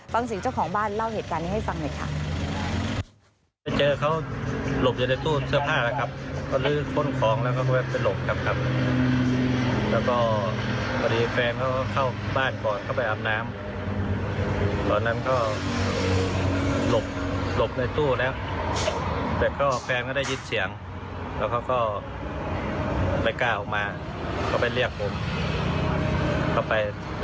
ฟังเสียงเจ้าของบ้านเล่าเหตุการณ์นี้ให้ฟังหน่อยค่ะ